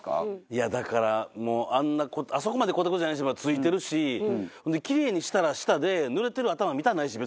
いやだからもうあんなあそこまでコテコテじゃないにしてもついてるしほんでキレイにしたらしたで濡れてる頭見たないし別に俺。